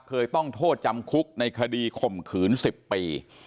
เคยต้องโทษจำคุกในคดีข่มขืน๑๐ปี